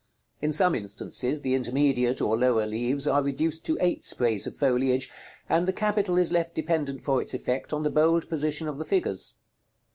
In some instances, the intermediate or lower leaves are reduced to eight sprays of foliage; and the capital is left dependent for its effect on the bold position of the figures.